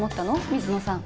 水野さん。